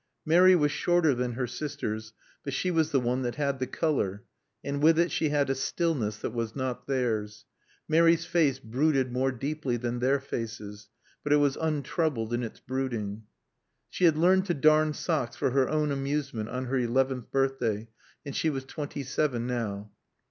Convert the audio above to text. Mary was shorter than her sisters, but she was the one that had the color. And with it she had a stillness that was not theirs. Mary's face brooded more deeply than their faces, but it was untroubled in its brooding. She had learned to darn socks for her own amusement on her eleventh birthday, and she was twenty seven now.